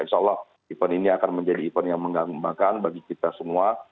insya allah event ini akan menjadi event yang menggambarkan bagi kita semua